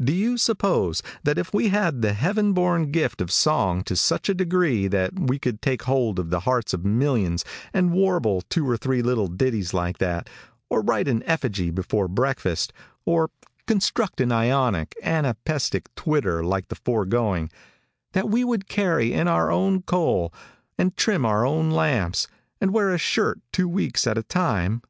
Do you suppose that if we had the heaven born gift of song to such a degree that we could take hold of the hearts of millions and warble two or three little ditties like that, or write an effigy before breakfast, or construct an ionic, anapestic twitter like the foregoing, that we would carry in our own coal, and trim our own lamps, and wear a shirt two weeks at a time?